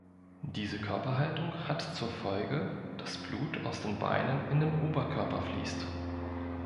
Diese Körperhaltung hat zur Folge, dass Blut aus den Beinen in den Oberkörper fließt.